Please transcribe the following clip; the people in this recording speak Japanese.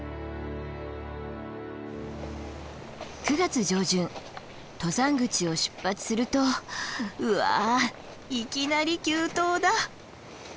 ９月上旬登山口を出発するとうわいきなり急登だ！